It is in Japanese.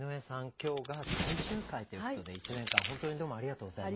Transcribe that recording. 今日が最終回ということで１年間本当にどうもありがとうございました。